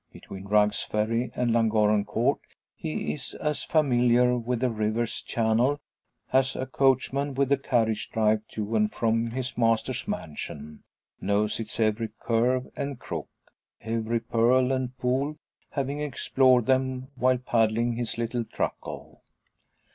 Between Rugg's Ferry and Llangorren Court he is as familiar with the river's channel as a coachman with the carriage drive to and from his master's mansion; knows its every curve and crook, every purl and pool, having explored them while paddling his little "truckle."